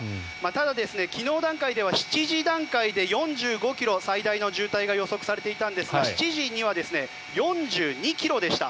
ただ、昨日段階では７時段階で４５ｋｍ最大の渋滞が予測されていたんですが７時には４２ｋｍでした。